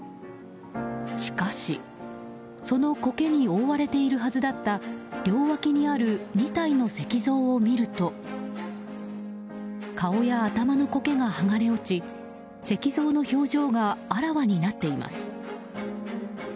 しかし、そのコケに覆われているはずだった両脇にある２体の石像を見ると顔や頭のコケが剥がれ落ち石像の表情があらわになっています。